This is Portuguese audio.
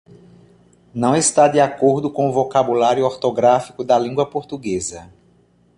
Não está de acordo com o vocábulário ortográfico da língua portuguesa.